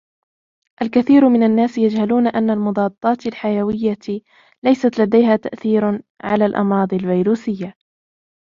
الكثير من الناس يجهلون أن المضادات الحيوية ليست لديها تأثير على الأمراض الفيروسية.